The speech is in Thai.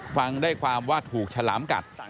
ฟังได้ความว่าถูกฉลามกัด